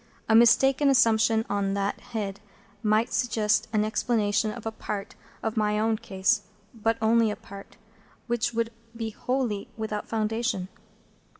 A mistaken assumption on that head might suggest an explanation of a part of my own case,—but only a part,—which would be wholly without foundation.